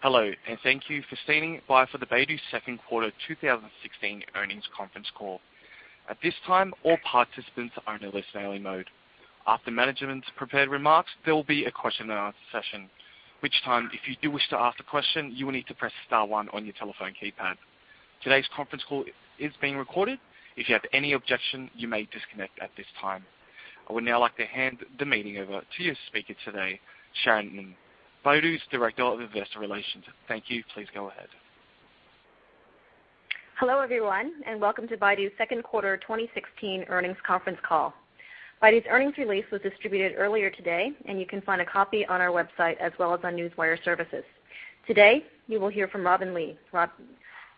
Hello, thank you for standing by for the Baidu second quarter 2016 earnings conference call. At this time, all participants are in a listen-only mode. After management's prepared remarks, there will be a question and answer session. At which time, if you do wish to ask a question, you will need to press star one on your telephone keypad. Today's conference call is being recorded. If you have any objections, you may disconnect at this time. I would now like to hand the meeting over to your speaker today, Sharon Ng, Baidu's Director of Investor Relations. Thank you. Please go ahead. Hello, everyone, welcome to Baidu's second quarter 2016 earnings conference call. Baidu's earnings release was distributed earlier today, and you can find a copy on our website as well as on Newswire Services. Today, you will hear from Robin Li,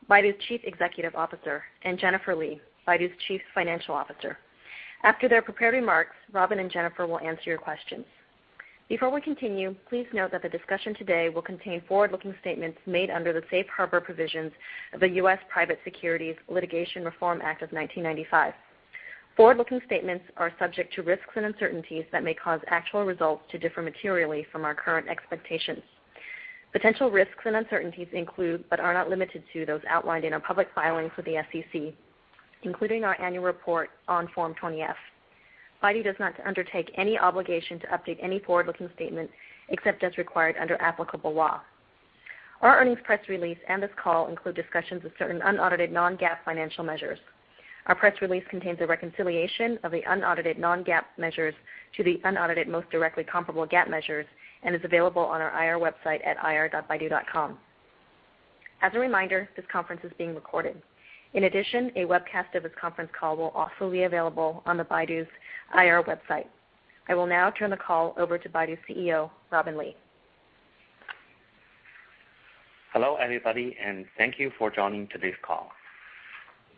Baidu's Chief Executive Officer, and Jennifer Li, Baidu's Chief Financial Officer. After their prepared remarks, Robin and Jennifer will answer your questions. Before we continue, please note that the discussion today will contain forward-looking statements made under the Safe Harbor Provisions of the U.S. Private Securities Litigation Reform Act of 1995. Forward-looking statements are subject to risks and uncertainties that may cause actual results to differ materially from our current expectations. Potential risks and uncertainties include, but are not limited to those outlined in our public filings with the SEC, including our annual report on Form 20-F. Baidu does not undertake any obligation to update any forward-looking statement, except as required under applicable law. Our earnings press release and this call include discussions of certain unaudited non-GAAP financial measures. Our press release contains a reconciliation of the unaudited non-GAAP measures to the unaudited most directly comparable GAAP measures and is available on our IR website at ir.baidu.com. As a reminder, this conference is being recorded. In addition, a webcast of this conference call will also be available on the Baidu's IR website. I will now turn the call over to Baidu's CEO, Robin Li. Hello, everybody, thank you for joining today's call.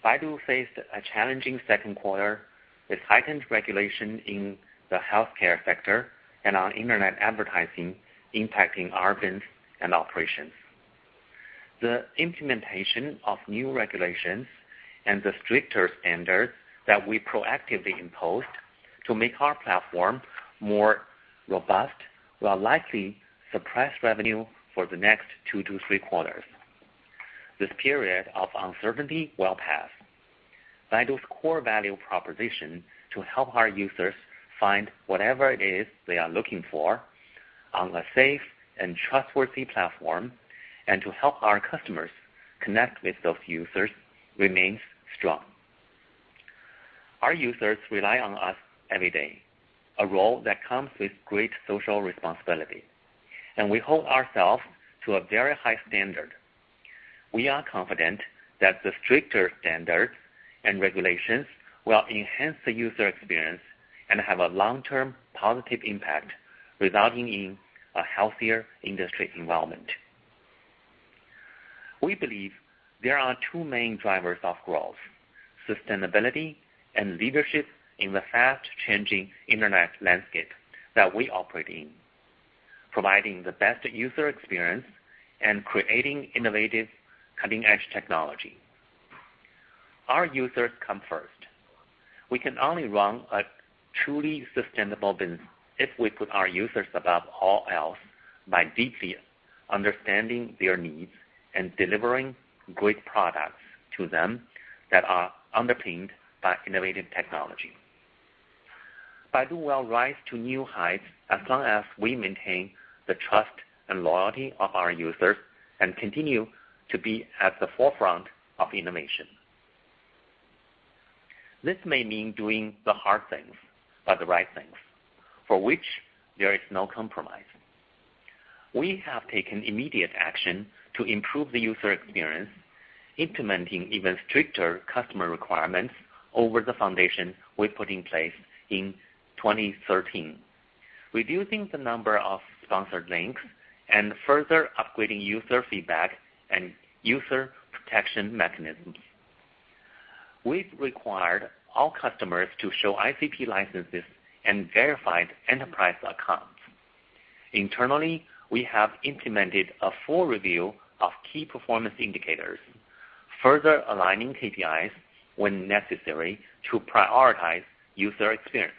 Baidu faced a challenging second quarter with heightened regulation in the healthcare sector and on internet advertising impacting our business and operations. The implementation of new regulations and the stricter standards that we proactively imposed to make our platform more robust will likely suppress revenue for the next two to three quarters. This period of uncertainty will pass. Baidu's core value proposition to help our users find whatever it is they are looking for on a safe and trustworthy platform and to help our customers connect with those users remains strong. Our users rely on us every day, a role that comes with great social responsibility, and we hold ourselves to a very high standard. We are confident that the stricter standards and regulations will enhance the user experience and have a long-term positive impact, resulting in a healthier industry environment. We believe there are two main drivers of growth: sustainability and leadership in the fast-changing internet landscape that we operate in, providing the best user experience and creating innovative cutting-edge technology. Our users come first. We can only run a truly sustainable business if we put our users above all else by deeply understanding their needs and delivering great products to them that are underpinned by innovative technology. Baidu will rise to new heights as long as we maintain the trust and loyalty of our users and continue to be at the forefront of innovation. This may mean doing the hard things or the right things for which there is no compromise. We have taken immediate action to improve the user experience, implementing even stricter customer requirements over the foundation we put in place in 2013, reducing the number of sponsored links and further upgrading user feedback and user protection mechanisms. We've required all customers to show ICP licenses and verified enterprise accounts. Internally, we have implemented a full review of Key Performance Indicators, further aligning KPIs when necessary to prioritize user experience.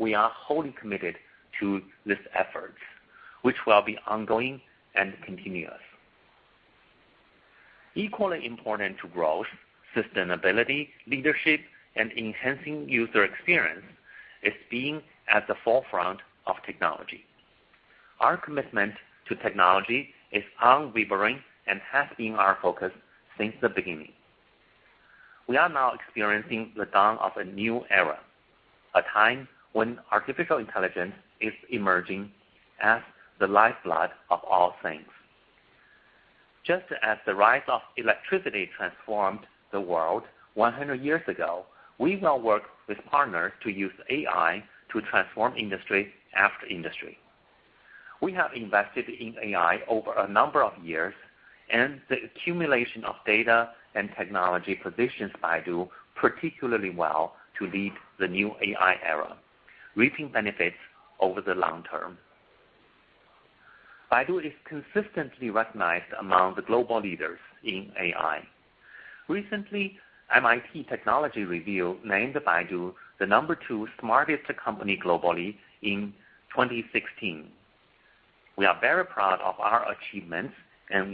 We are wholly committed to these efforts, which will be ongoing and continuous. Equally important to growth, sustainability, leadership, and enhancing user experience is being at the forefront of technology. Our commitment to technology is unwavering and has been our focus since the beginning. We are now experiencing the dawn of a new era, a time when artificial intelligence is emerging as the lifeblood of all things. Just as the rise of electricity transformed the world 100 years ago, we now work with partners to use AI to transform industry after industry. We have invested in AI over a number of years, the accumulation of data and technology positions Baidu particularly well to lead the new AI era, reaping benefits over the long term. Baidu is consistently recognized among the global leaders in AI. Recently, MIT Technology Review named Baidu the number 2 smartest company globally in 2016. We are very proud of our achievements,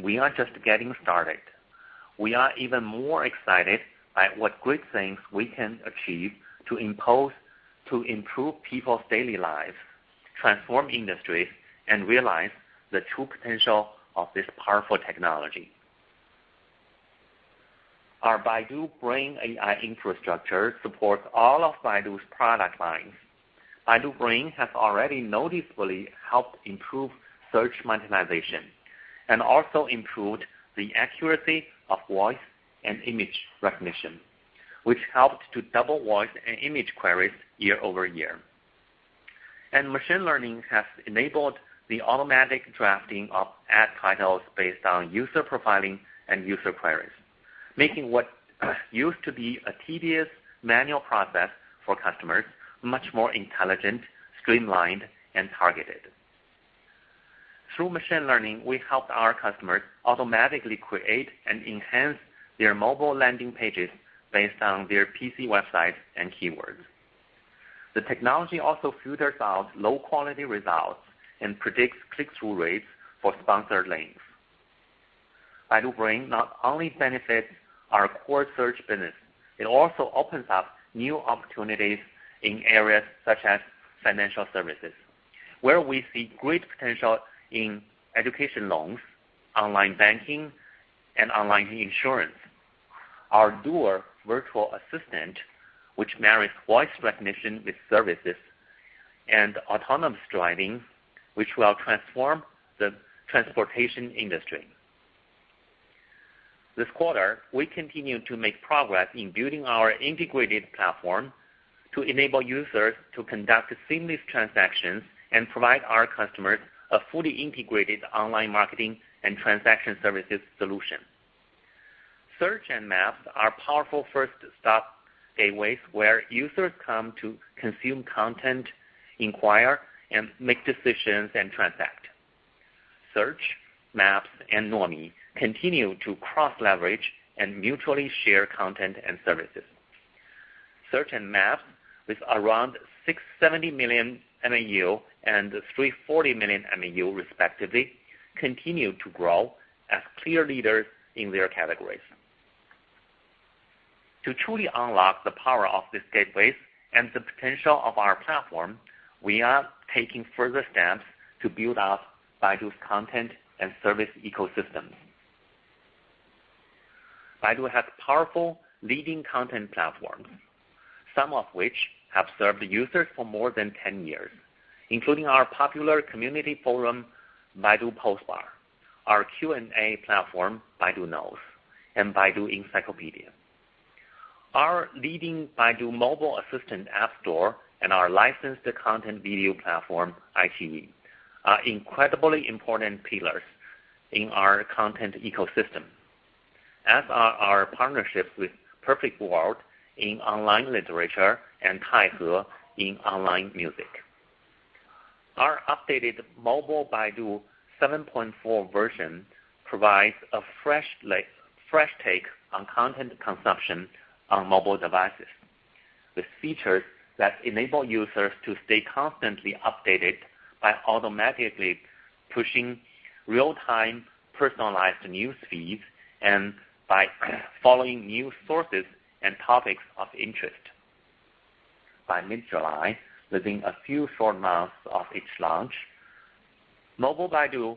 we are just getting started. We are even more excited by what great things we can achieve to improve people's daily lives, transform industries, and realize the true potential of this powerful technology. Our Baidu Brain AI infrastructure supports all of Baidu's product lines. Baidu Brain has already noticeably helped improve search monetization, also improved the accuracy of voice and image recognition, which helped to double voice and image queries year-over-year. Machine learning has enabled the automatic drafting of ad titles based on user profiling and user queries, making what used to be a tedious manual process for customers much more intelligent, streamlined, and targeted. Through machine learning, we helped our customers automatically create and enhance their mobile landing pages based on their PC websites and keywords. The technology also filters out low-quality results and predicts click-through rates for sponsored links. Baidu Brain not only benefits our core search business, it also opens up new opportunities in areas such as financial services, where we see great potential in education loans, online banking, and online insurance. Our Duer virtual assistant, which marries voice recognition with services, and autonomous driving, which will transform the transportation industry. This quarter, we continued to make progress in building our integrated platform to enable users to conduct seamless transactions and provide our customers a fully integrated online marketing and transaction services solution. Search and Maps are powerful first-stop gateways where users come to consume content, inquire, and make decisions and transact. Search, Maps, and Nuomi continue to cross-leverage and mutually share content and services. Search and Maps, with around 670 million MAU and 340 million MAU respectively, continue to grow as clear leaders in their categories. To truly unlock the power of these gateways and the potential of our platform, we are taking further steps to build out Baidu's content and service ecosystems. Baidu has powerful leading content platforms, some of which have served users for more than 10 years, including our popular community forum, Baidu Post Bar, our Q&A platform, Baidu Knows, and Baidu Encyclopedia. Our leading Baidu Mobile Assistant App Store and our licensed content video platform, iQiyi, are incredibly important pillars in our content ecosystem, as are our partnerships with Perfect World in online literature and Taihe in online music. Our updated Mobile Baidu 7.4 version provides a fresh take on content consumption on mobile devices, with features that enable users to stay constantly updated by automatically pushing real-time personalized news feeds and by following new sources and topics of interest. By mid-July, within a few short months of its launch, Mobile Baidu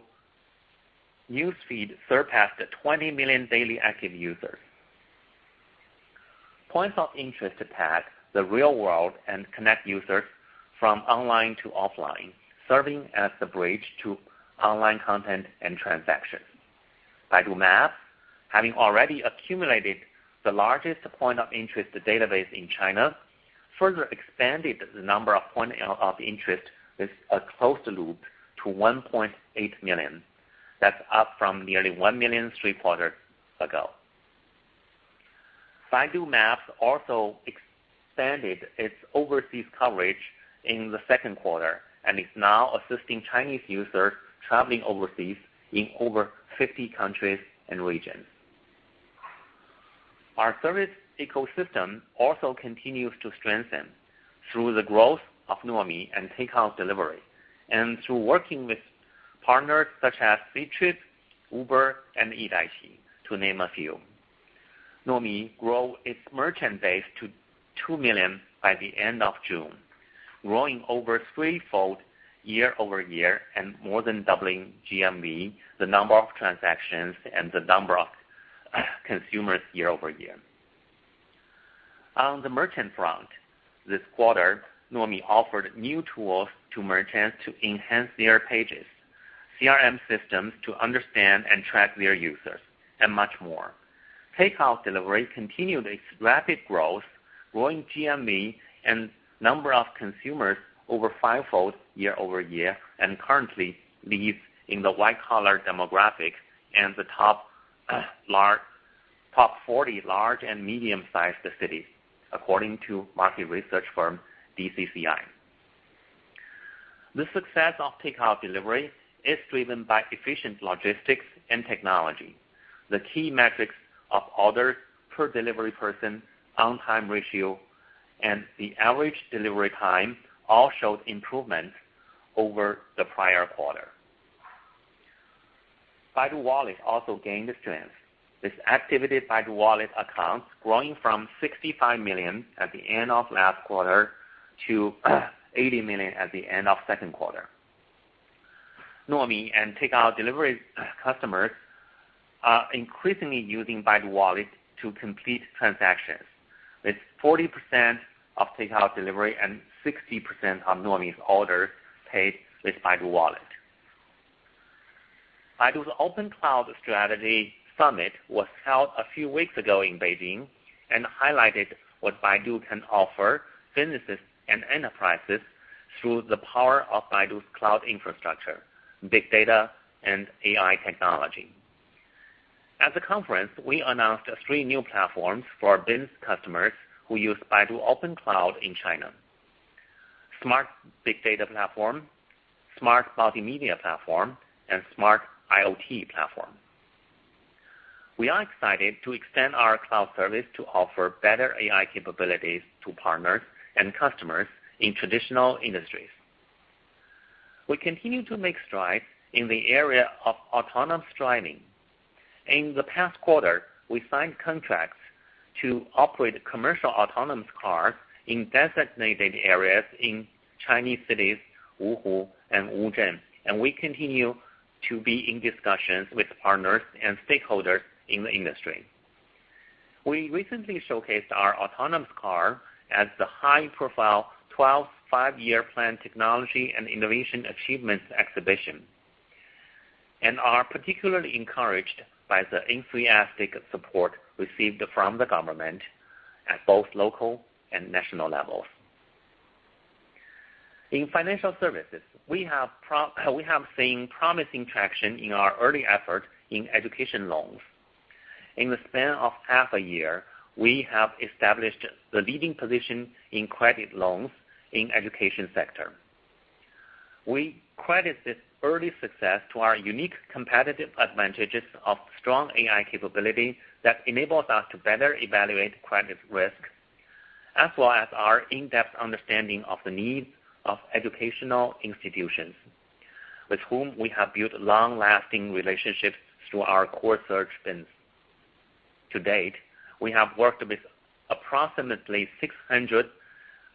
news feed surpassed 20 million daily active users. Points of interest pad the real world and connect users from online to offline, serving as the bridge to online content and transactions. Baidu Map, having already accumulated the largest point of interest database in China, further expanded the number of point of interest with a closed loop to 1.8 million. That's up from nearly 1 million three quarters ago. Baidu Maps also expanded its overseas coverage in the second quarter, and is now assisting Chinese users traveling overseas in over 50 countries and regions. Our service ecosystem also continues to strengthen through the growth of Nuomi and takeout delivery and through working with partners such as Ctrip, Uber, and Didi, to name a few. Nuomi grew its merchant base to 2 million by the end of June, growing over threefold year-over-year and more than doubling GMV, the number of transactions, and the number of consumers year-over-year. On the merchant front, this quarter, Nuomi offered new tools to merchants to enhance their pages, CRM systems to understand and track their users, and much more. Takeout delivery continued its rapid growth, growing GMV and number of consumers over fivefold year-over-year, and currently leads in the white collar demographic and the top 40 large and medium-sized cities, according to market research firm DCCI. The success of takeout delivery is driven by efficient logistics and technology. The key metrics of orders per delivery person, on-time ratio, and the average delivery time all showed improvements over the prior quarter. Baidu Wallet also gained strength, with activated Baidu Wallet accounts growing from 65 million at the end of last quarter to 80 million at the end of the second quarter. Nuomi and takeout delivery customers are increasingly using Baidu Wallet to complete transactions, with 40% of takeout delivery and 60% of Nuomi's orders paid with Baidu Wallet. Baidu's OpenCloud strategy summit was held a few weeks ago in Beijing and highlighted what Baidu can offer businesses and enterprises through the power of Baidu's cloud infrastructure, big data, and AI technology. At the conference, we announced three new platforms for business customers who use Baidu OpenCloud in China: Smart Big Data Platform, Smart Multimedia Platform, and Smart IoT Platform. We are excited to extend our cloud service to offer better AI capabilities to partners and customers in traditional industries. We continue to make strides in the area of autonomous driving. In the past quarter, we signed contracts to operate commercial autonomous cars in designated areas in Chinese cities Wuhu and Wuzhen. We continue to be in discussions with partners and stakeholders in the industry. We recently showcased our autonomous car at the high-profile 12th Five-Year Plan Technology and Innovation Achievements Exhibition and are particularly encouraged by the enthusiastic support received from the government at both local and national levels. In financial services, we have seen promising traction in our early efforts in education loans. In the span of half a year, we have established the leading position in credit loans in education sector. We credit this early success to our unique competitive advantages of strong AI capability that enables us to better evaluate credit risk, as well as our in-depth understanding of the needs of educational institutions with whom we have built long-lasting relationships through our core search business. To date, we have worked with approximately 600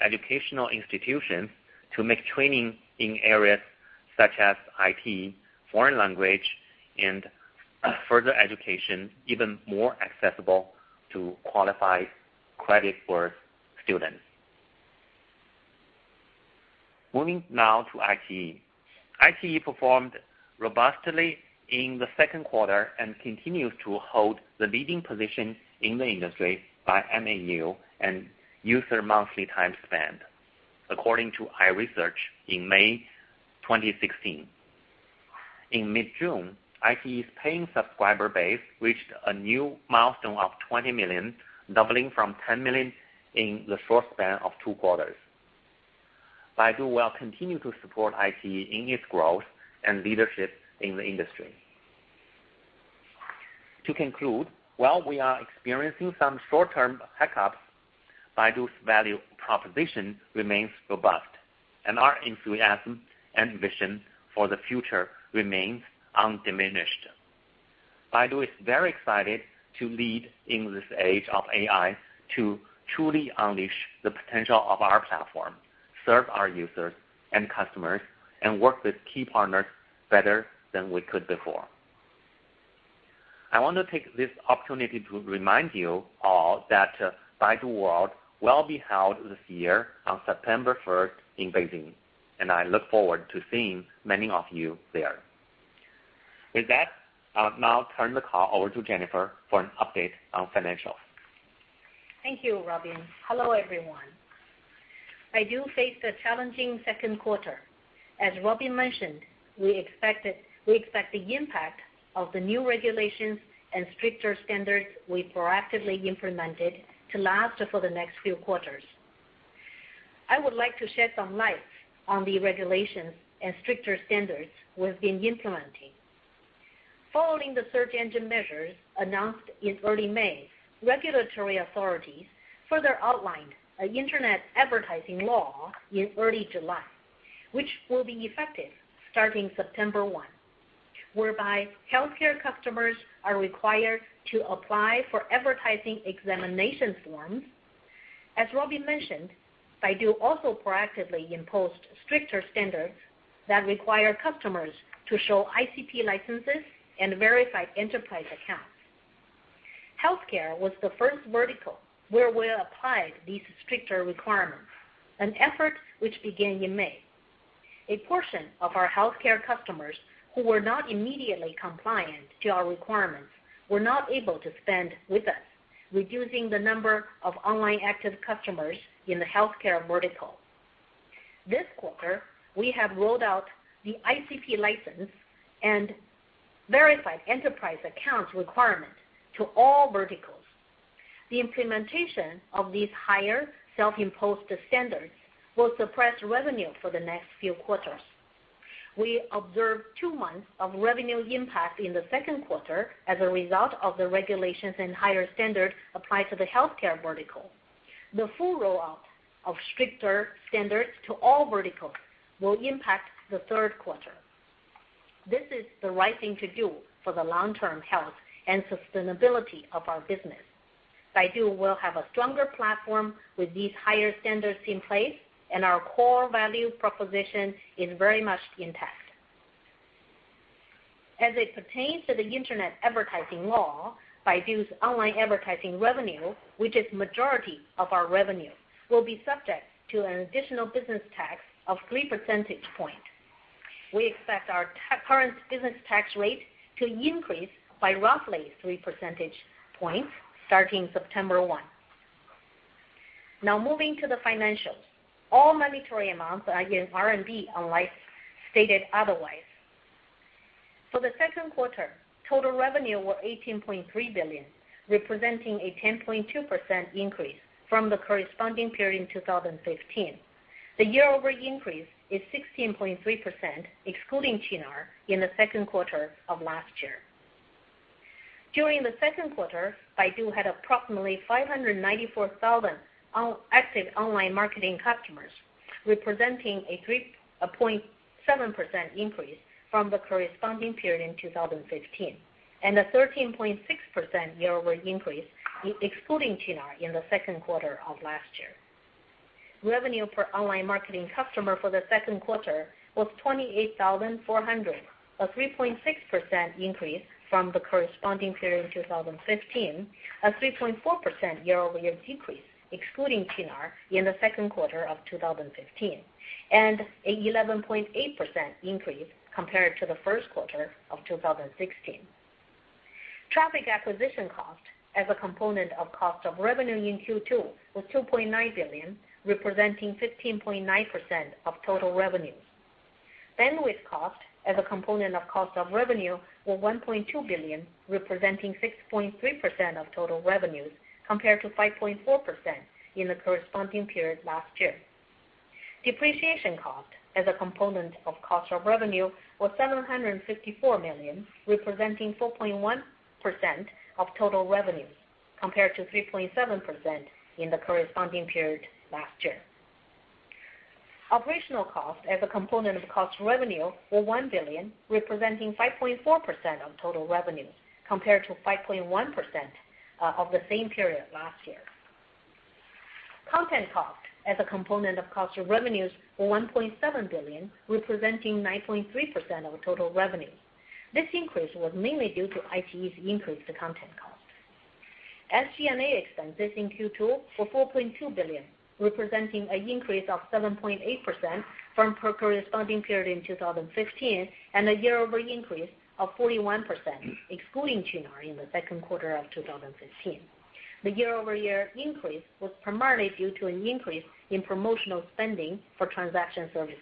educational institutions to make training in areas such as IT, foreign language, and further education even more accessible to qualified credit-worthy students. Moving now to iQiyi. iQiyi performed robustly in the second quarter and continues to hold the leading position in the industry by MAU and user monthly time spent, according to iResearch in May 2016. In mid-June, iQiyi's paying subscriber base reached a new milestone of 20 million, doubling from 10 million in the short span of two quarters. Baidu will continue to support iQiyi in its growth and leadership in the industry. To conclude, while we are experiencing some short-term hiccups, Baidu's value proposition remains robust, and our enthusiasm and vision for the future remains undiminished. Baidu is very excited to lead in this age of AI to truly unleash the potential of our platform, serve our users and customers, and work with key partners better than we could before. I want to take this opportunity to remind you all that Baidu World will be held this year on September 1st in Beijing. I look forward to seeing many of you there. With that, I'll now turn the call over to Jennifer for an update on financials. Thank you, Robin. Hello, everyone. Baidu faced a challenging second quarter. As Robin mentioned, we expect the impact of the new regulations and stricter standards we proactively implemented to last for the next few quarters. I would like to shed some light on the regulations and stricter standards we've been implementing. Following the search engine measures announced in early May, regulatory authorities further outlined an internet advertising law in early July, which will be effective starting September 1, whereby healthcare customers are required to apply for advertising examination forms. As Robin mentioned, Baidu also proactively imposed stricter standards that require customers to show ICP licenses and verified enterprise accounts. Healthcare was the first vertical where we applied these stricter requirements, an effort which began in May. A portion of our healthcare customers who were not immediately compliant to our requirements were not able to spend with us, reducing the number of online active customers in the healthcare vertical. This quarter, we have rolled out the ICP license and verified enterprise accounts requirement to all verticals. The implementation of these higher self-imposed standards will suppress revenue for the next few quarters. We observed two months of revenue impact in the second quarter as a result of the regulations and higher standards applied to the healthcare vertical. The full rollout of stricter standards to all verticals will impact the third quarter. This is the right thing to do for the long-term health and sustainability of our business. Baidu will have a stronger platform with these higher standards in place, and our core value proposition is very much intact. As it pertains to the internet advertising law, Baidu's online advertising revenue, which is majority of our revenue, will be subject to an additional business tax of three percentage points. We expect our current business tax rate to increase by roughly three percentage points starting September 1. Moving to the financials. All monetary amounts are in RMB unless stated otherwise. For the second quarter, total revenue was 18.3 billion, representing a 10.2% increase from the corresponding period in 2015. The year-over-year increase is 16.3%, excluding Qunar in the second quarter of last year. During the second quarter, Baidu had approximately 594,000 active online marketing customers, representing a 0.7% increase from the corresponding period in 2015, and a 13.6% year-over-year increase excluding Qunar in the second quarter of last year. Revenue per online marketing customer for the second quarter was 28,400, a 3.6% increase from the corresponding period in 2015, a 3.4% year-over-year decrease excluding Qunar in the second quarter of 2015, and an 11.8% increase compared to the first quarter of 2016. Traffic acquisition cost as a component of cost of revenue in Q2 was 2.9 billion, representing 15.9% of total revenues. Bandwidth cost as a component of cost of revenue was 1.2 billion, representing 6.3% of total revenues, compared to 5.4% in the corresponding period last year. Depreciation cost as a component of cost of revenue was 754 million, representing 4.1% of total revenues, compared to 3.7% in the corresponding period last year. Operational cost as a component of cost of revenue was 1 billion, representing 5.4% of total revenues, compared to 5.1% of the same period last year. Content cost as a component of cost of revenues was 1.7 billion, representing 9.3% of total revenue. This increase was mainly due to iQiyi's increase to content cost. SG&A expenses in Q2 were 4.2 billion, representing an increase of 7.8% from the corresponding period in 2015, and a year-over-year increase of 41%, excluding Qunar in the second quarter of 2015. The year-over-year increase was primarily due to an increase in promotional spending for transaction services.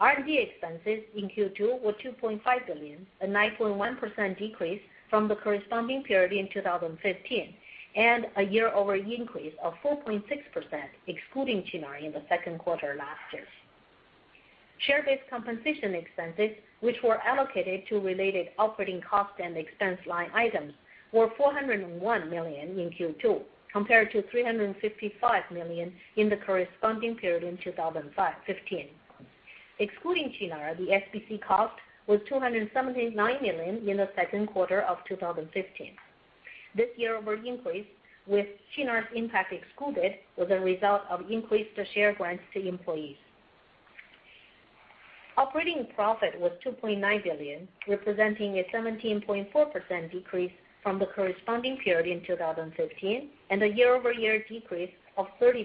R&D expenses in Q2 were 2.5 billion, a 9.1% decrease from the corresponding period in 2015, and a year-over-year increase of 4.6%, excluding Qunar in the second quarter last year. Share-based compensation expenses, which were allocated to related operating costs and expense line items, were 401 million in Q2, compared to 355 million in the corresponding period in 2015. Excluding Qunar, the SBC cost was 279 million in the second quarter of 2015. This year-over-year increase, with Qunar's impact excluded, was a result of increased share grants to employees. Operating profit was 2.9 billion, representing a 17.4% decrease from the corresponding period in 2015, and a year-over-year decrease of 30%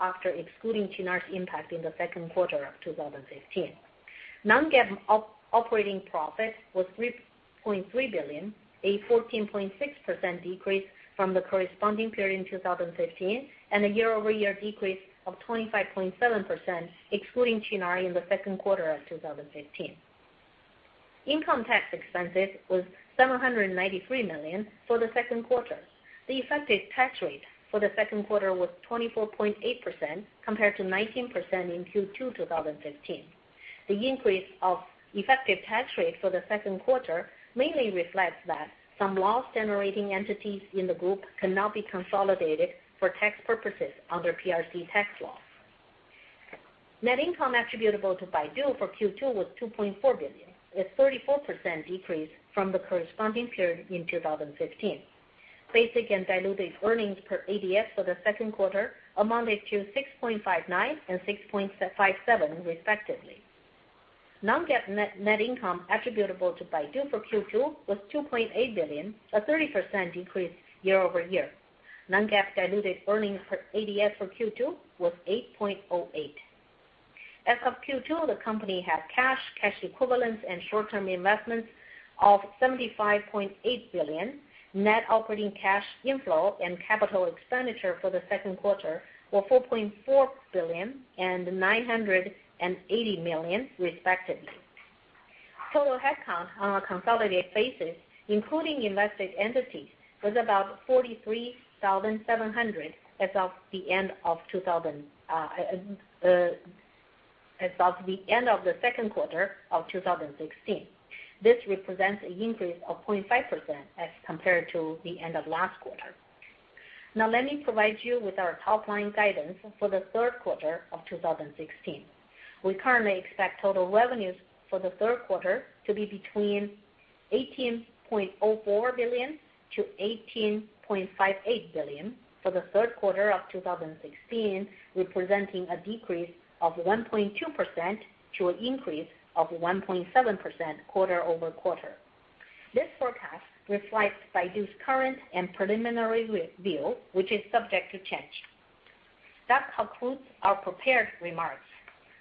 after excluding Qunar's impact in the second quarter of 2015. Non-GAAP operating profit was 3.3 billion, a 14.6% decrease from the corresponding period in 2015, and a year-over-year decrease of 25.7%, excluding Qunar in the second quarter of 2015. Income tax expenses was 793 million for the second quarter. The effective tax rate for the second quarter was 24.8%, compared to 19% in Q2 2015. The increase of effective tax rate for the second quarter mainly reflects that some loss-generating entities in the group cannot be consolidated for tax purposes under PRC tax law. Net income attributable to Baidu for Q2 was 2.4 billion, a 34% decrease from the corresponding period in 2015. Basic and diluted earnings per ADS for the second quarter amounted to $6.59 and $6.57 respectively. Non-GAAP net income attributable to Baidu for Q2 was 2.8 billion, a 30% decrease year-over-year. Non-GAAP diluted earnings per ADS for Q2 was $8.08. As of Q2, the company had cash equivalents, and short-term investments of 75.8 billion. Net operating cash inflow and capital expenditure for the second quarter were 4.4 billion and 980 million respectively. Total headcount on a consolidated basis, including invested entities, was about 43,700 as of the end of the second quarter of 2016. This represents an increase of 0.5% as compared to the end of last quarter. Now let me provide you with our top-line guidance for the third quarter of 2016. We currently expect total revenues for the third quarter to be between 18.04 billion-18.58 billion for the third quarter of 2016, representing a decrease of 1.2% to an increase of 1.7% quarter-over-quarter. This forecast reflects Baidu's current and preliminary view, which is subject to change. That concludes our prepared remarks.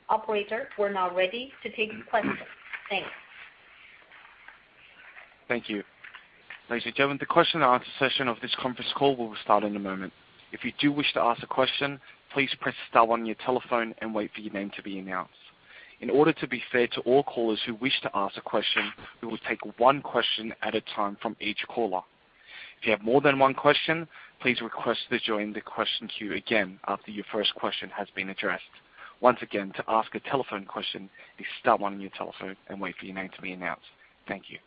Operator, we are now ready to take questions. Thanks. Thank you. Ladies and gentlemen, the question and answer session of this conference call will start in a moment. If you do wish to ask a question, please press star on your telephone and wait for your name to be announced. In order to be fair to all callers who wish to ask a question, we will take one question at a time from each caller. If you have more than one question, please request to join the question queue again after your first question has been addressed. Once again, to ask a telephone question, press star one on your telephone and wait for your name to be announced. Thank you.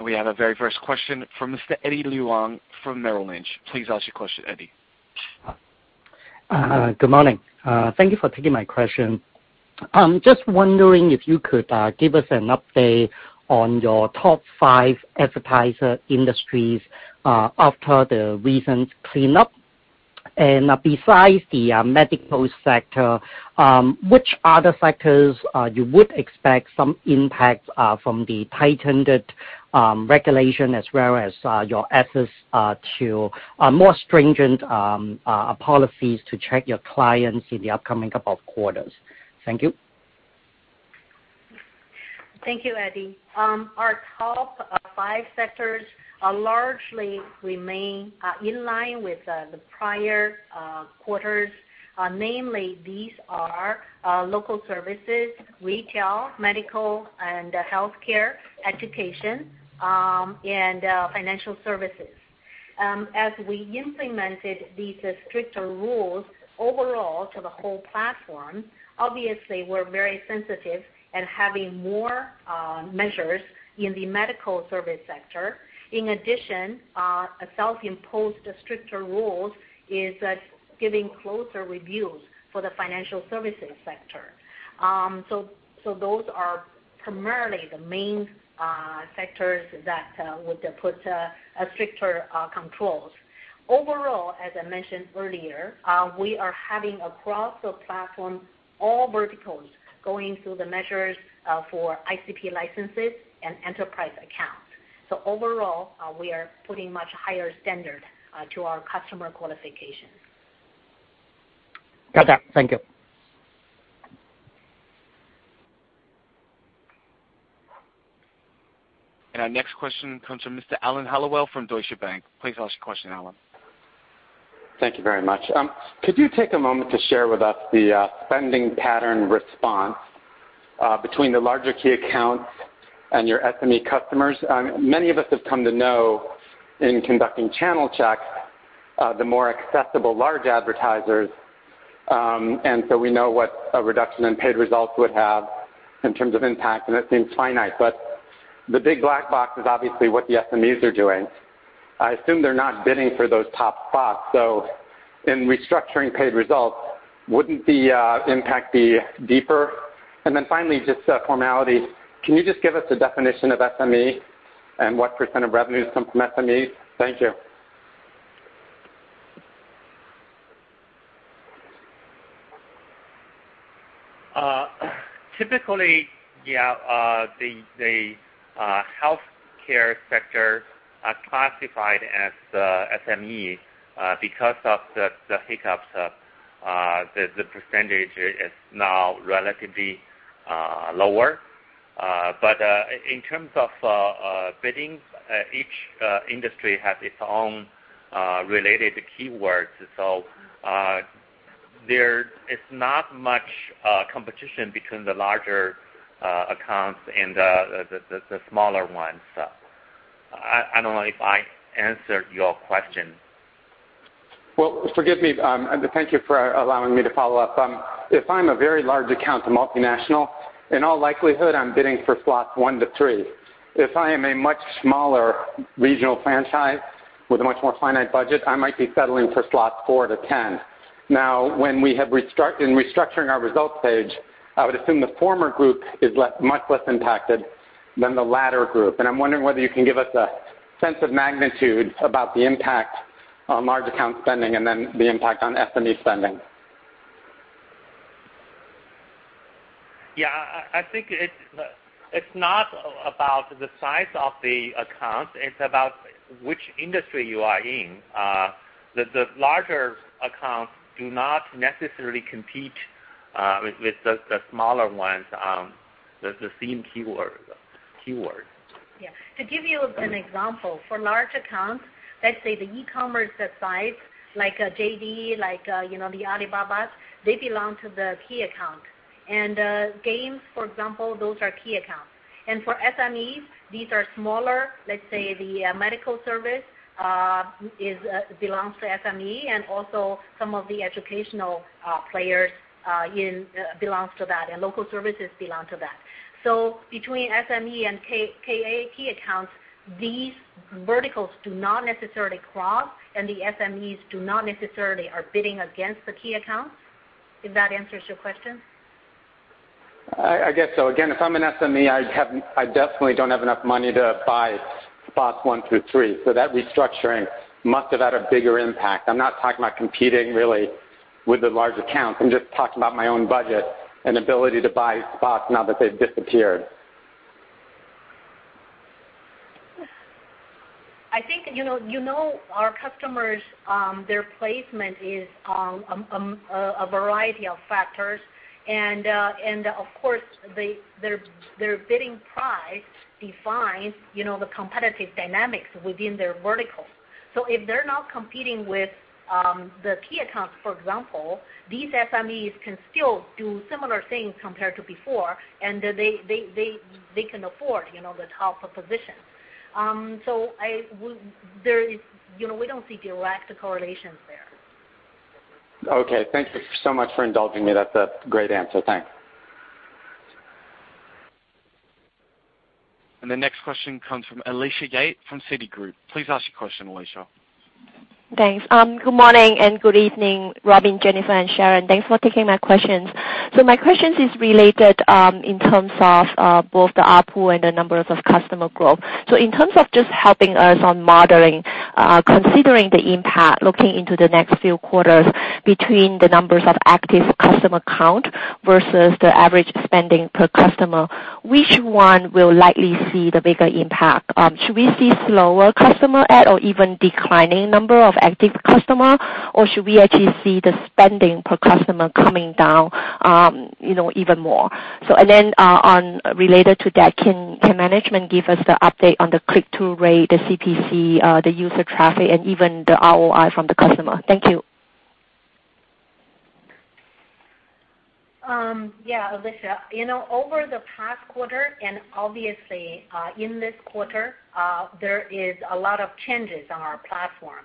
We have our very first question from Mr. Eddie Leung from Merrill Lynch. Please ask your question, Eddie. Good morning. Thank you for taking my question. Just wondering if you could give us an update on your top five advertiser industries after the recent cleanup. Besides the medical sector, which other sectors you would expect some impact from the tightened regulation as well as your access to more stringent policies to check your clients in the upcoming couple of quarters? Thank you. Thank you, Eddie. Our top five sectors largely remain in line with the prior quarters. Namely, these are local services, retail, medical and healthcare, education, and financial services. As we implemented these stricter rules overall to the whole platform, obviously, we're very sensitive and having more measures in the medical service sector. In addition, a self-imposed stricter rules is giving closer reviews for the financial services sector. Those are primarily the main sectors that would put stricter controls. Overall, as I mentioned earlier, we are having across the platform, all verticals going through the measures for ICP licenses and enterprise accounts. Overall, we are putting much higher standard to our customer qualifications. Got that. Thank you. Our next question comes from Mr. Alan Hellawell from Deutsche Bank. Please ask your question, Alan. Thank you very much. Could you take a moment to share with us the spending pattern response between the larger key accounts and your SME customers? Many of us have come to know in conducting channel checks, the more accessible large advertisers, we know what a reduction in paid results would have in terms of impact, and it seems finite. The big black box is obviously what the SMEs are doing. I assume they're not bidding for those top spots. In restructuring paid results, wouldn't the impact be deeper? Finally, just a formality. Can you just give us a definition of SME and what % of revenues come from SMEs? Thank you. Typically, yeah, the healthcare sector are classified as SME. Because of the hiccups, the % is now relatively lower. In terms of biddings, each industry has its own related keywords. There is not much competition between the larger accounts and the smaller ones. I don't know if I answered your question. Well, forgive me, thank you for allowing me to follow up. If I'm a very large account, a multinational, in all likelihood, I'm bidding for slots one to three. If I am a much smaller regional franchise with a much more finite budget, I might be settling for slots four to 10. When restructuring our results page, I would assume the former group is much less impacted than the latter group. I'm wondering whether you can give us a sense of magnitude about the impact on large account spending then the impact on SME spending. Yeah. I think it's not about the size of the account, it's about which industry you are in. The larger accounts do not necessarily compete with the smaller ones on the same keyword. Keywords. Yeah. To give you an example, for large accounts, let's say the e-commerce sites like JD.com, like Alibaba, they belong to the key account. Games, for example, those are key accounts. For SMEs, these are smaller, let's say the medical service belongs to SME, and also some of the educational players belongs to that, and local services belong to that. Between SME and key accounts, these verticals do not necessarily cross, and the SMEs do not necessarily are bidding against the key accounts, if that answers your question. I guess so. Again, if I'm an SME, I definitely don't have enough money to buy spots one through three, so that restructuring must have had a bigger impact. I'm not talking about competing really with the large accounts. I'm just talking about my own budget and ability to buy spots now that they've disappeared. I think, you know our customers, their placement is a variety of factors, and of course, their bidding price defines the competitive dynamics within their verticals. If they're not competing with the key accounts, for example, these SMEs can still do similar things compared to before, and they can afford the top position. We don't see direct correlations there. Okay. Thank you so much for indulging me. That's a great answer. Thanks. The next question comes from Alicia Yap from Citigroup. Please ask your question, Alicia. Thanks. Good morning, and good evening, Robin, Jennifer, and Sharon. Thanks for taking my questions. My questions is related in terms of both the ARPU and the numbers of customer growth. In terms of just helping us on modeling, considering the impact, looking into the next few quarters between the numbers of active customer count versus the average spending per customer, which one will likely see the bigger impact? Should we see slower customer add or even declining number of active customer, or should we actually see the spending per customer coming down even more? Related to that, can management give us the update on the click-through rate, the CPC, the user traffic, and even the ROI from the customer? Thank you. Yeah, Alicia. Over the past quarter, obviously, in this quarter, there is a lot of changes on our platform.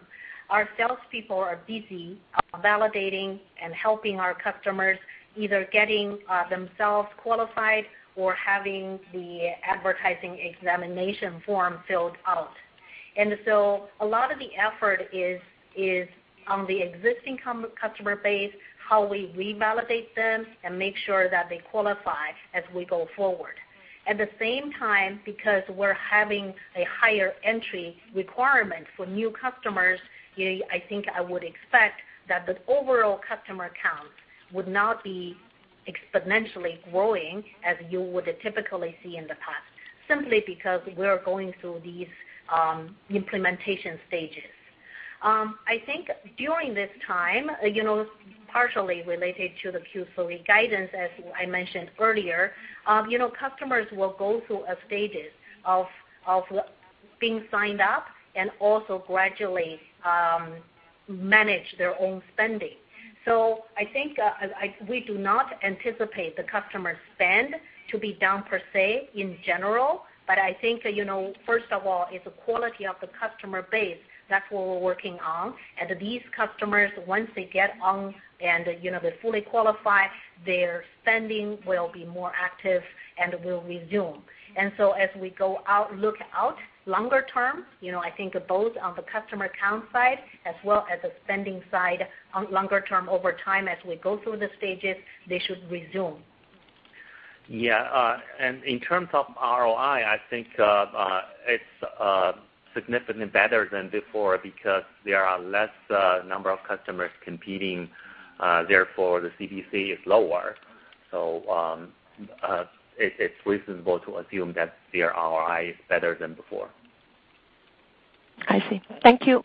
Our salespeople are busy validating and helping our customers either getting themselves qualified or having the advertising examination form filled out. A lot of the effort is on the existing customer base, how we revalidate them, and make sure that they qualify as we go forward. At the same time, because we're having a higher entry requirement for new customers, I think I would expect that the overall customer count would not be exponentially growing as you would typically see in the past, simply because we're going through these implementation stages. I think during this time, partially related to the Q3 guidance, as I mentioned earlier, customers will go through a stages of being signed up and also gradually manage their own spending. I think we do not anticipate the customer spend to be down per se in general. I think that, first of all, it's the quality of the customer base. That's what we're working on. These customers, once they get on and they're fully qualified, their spending will be more active and will resume. As we go out, look out longer term, I think both on the customer count side as well as the spending side, on longer term over time as we go through the stages, they should resume. Yeah. In terms of ROI, I think it's significantly better than before because there are less number of customers competing, therefore, the CPC is lower. It's reasonable to assume that their ROI is better than before. I see. Thank you. Thank you.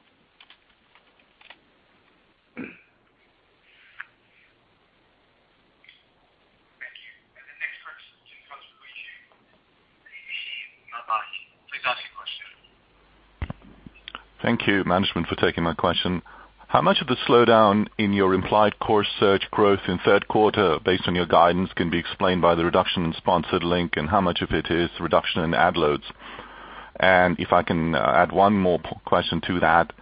The next question comes from Please ask your question. Thank you, management, for taking my question. How much of the slowdown in your implied core search growth in third quarter, based on your guidance, can be explained by the reduction in sponsored link, and how much of it is reduction in ad loads? If I can add one more question to that,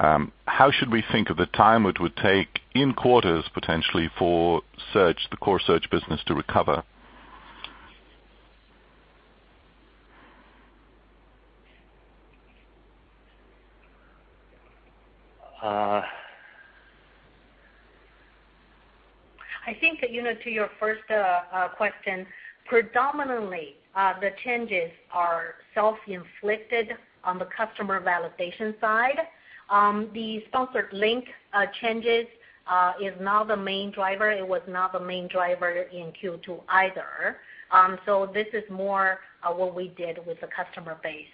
how should we think of the time it would take, in quarters potentially, for search, the core search business, to recover? I think that, to your first question, predominantly, the changes are self-inflicted on the customer validation side. The sponsored link changes is not the main driver. It was not the main driver in Q2 either. This is more what we did with the customer base.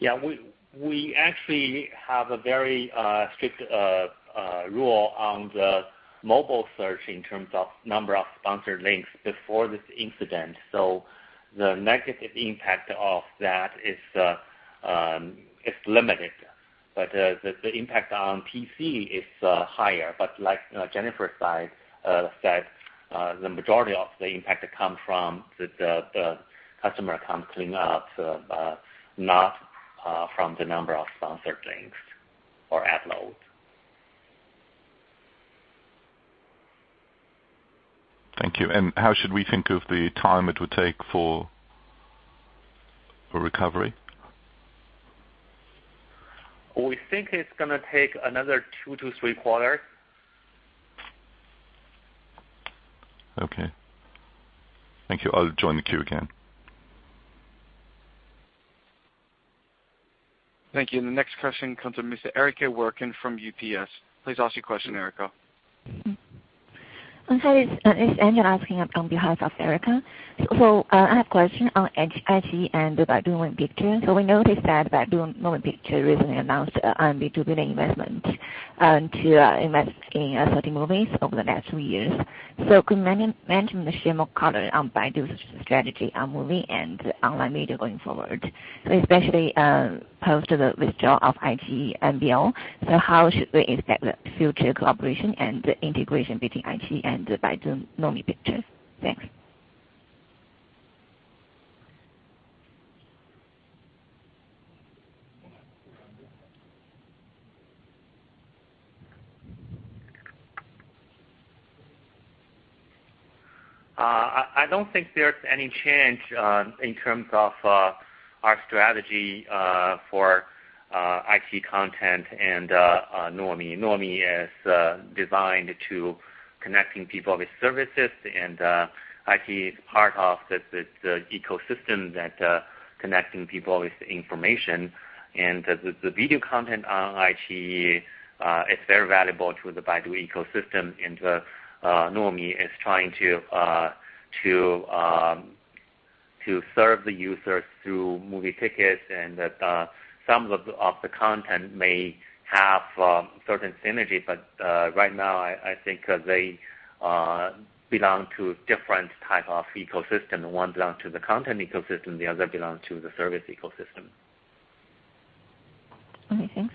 Yeah, we actually have a very strict rule on the mobile search in terms of number of sponsored links before this incident. The negative impact of that is limited, but the impact on PC is higher. Like Jennifer said, the majority of the impact comes from the customer account cleanup, not from the number of sponsored links or ad load. Thank you. How should we think of the time it would take for recovery? We think it's going to take another two to three quarters. Okay. Thank you. I'll join the queue again. Thank you. The next question comes from Ms. Erica Werkun from UBS. Please ask your question, Erica. Hi, it's Angel asking on behalf of Erica. I have a question on iQiyi and about Baidu Nuomi Pictures. We noticed that Baidu Nuomi Pictures recently announced a two billion investment to invest in certain movies over the next three years. Could you mention the share more color on Baidu's strategy on movie and online video going forward? Especially, post the withdrawal of iQiyi and MBO, how should we expect the future cooperation and integration between iQiyi and Baidu Nuomi Pictures? Thanks. I don't think there's any change in terms of our strategy for iQiyi content and Nuomi. Nuomi is designed to connecting people with services, iQiyi is part of the ecosystem that connecting people with information. The video content on iQiyi is very valuable to the Baidu ecosystem, and Nuomi is trying to serve the users through movie tickets, and some of the content may have certain synergy. Right now, I think they belong to different type of ecosystem. One belong to the content ecosystem, the other belong to the service ecosystem. Okay, thanks.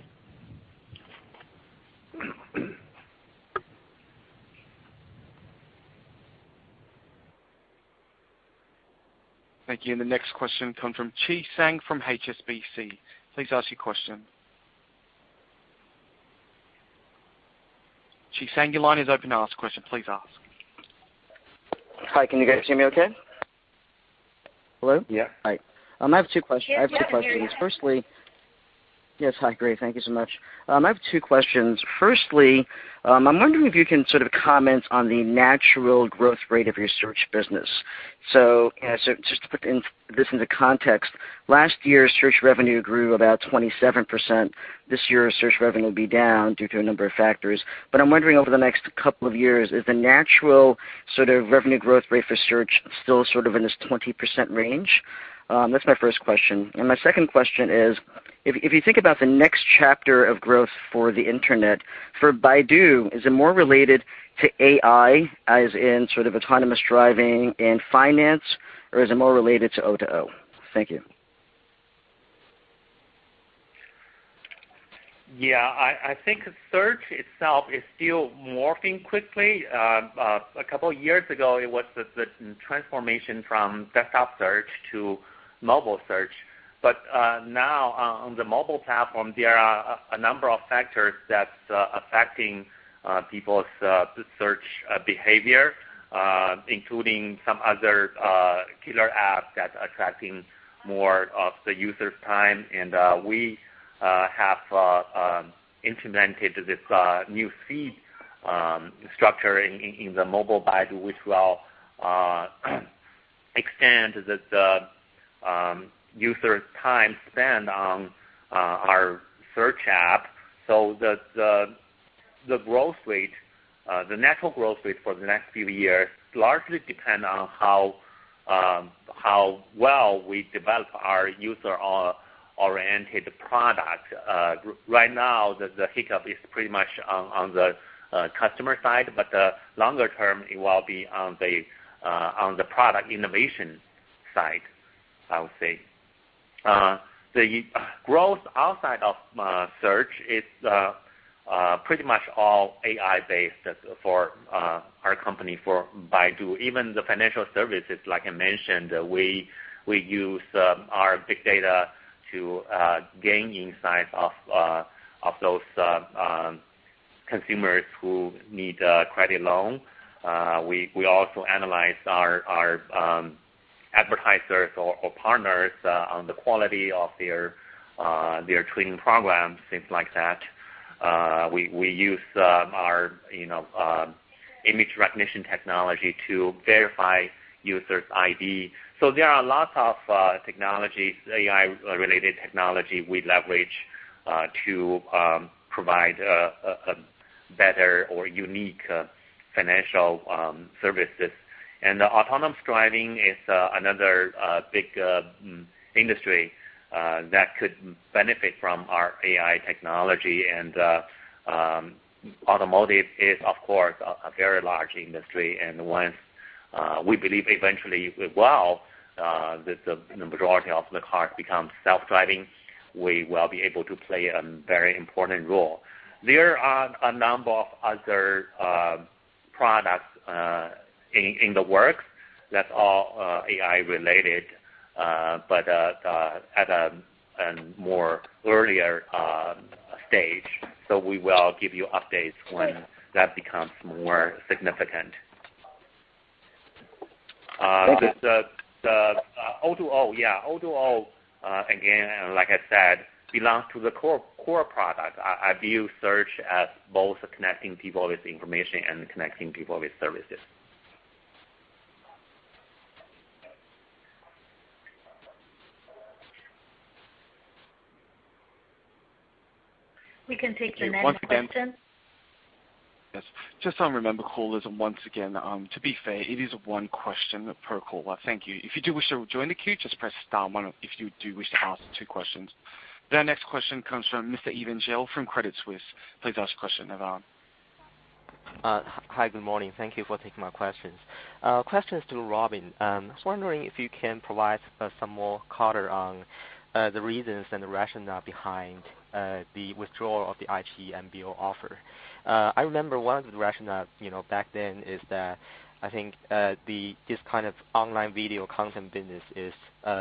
Thank you. The next question comes from Chi Tsang from HSBC. Please ask your question. Chi Tsang, your line is open to ask question. Please ask. Hi, can you guys hear me okay? Hello? Yeah. Hi. I have two questions. Firstly Yes. Hi, great. Thank you so much. I have two questions. Firstly, I'm wondering if you can sort of comment on the natural growth rate of your search business. Just to put this into context, last year's search revenue grew about 27%. This year's search revenue will be down due to a number of factors. I'm wondering over the next couple of years, is the natural sort of revenue growth rate for search still sort of in this 20% range? That's my first question. My second question is, if you think about the next chapter of growth for the internet, for Baidu, is it more related to AI, as in sort of autonomous driving and finance, or is it more related to O2O? Thank you. Yeah, I think search itself is still morphing quickly. A couple of years ago, it was the transformation from desktop search to mobile search. Now on the mobile platform, there are a number of factors that's affecting people's search behavior, including some other killer apps that's attracting more of the user's time. We have implemented this new feed structure in the Mobile Baidu, which will extend the user's time spent on our search app. The natural growth rate for the next few years largely depend on how well we develop our user-oriented product. Right now, the hiccup is pretty much on the customer side, but longer term, it will be on the product innovation side, I would say. The growth outside of search is pretty much all AI-based for our company, for Baidu. Even the financial services, like I mentioned, we use our big data to gain insights of those consumers who need a credit loan. We also analyze our advertisers or partners on the quality of their training programs, things like that. We use our image recognition technology to verify users' ID. There are lots of AI-related technology we leverage to provide a better or unique financial services. Autonomous driving is another big industry that could benefit from our AI technology. Automotive is, of course, a very large industry, and once we believe eventually with [wow], that the majority of the cars become self-driving, we will be able to play a very important role. There are a number of other products in the works that are AI related, but at a more earlier stage, we will give you updates when that becomes more significant. Thank you. The O2O, again, like I said, belongs to the core product. I view search as both connecting people with information and connecting people with services. We can take your next question. Yes. Just remember, callers, once again, to be fair, it is one question per caller. Thank you. If you do wish to join the queue, just press star one if you do wish to ask two questions. The next question comes from Mr. Evan Zhou from Credit Suisse. Please ask question, Evan. Hi, good morning. Thank you for taking my questions. Question is to Robin. I was wondering if you can provide some more color on the reasons and the rationale behind the withdrawal of the iQiyi MBO offer. I remember one of the rationale back then is that I think this kind of online video content business is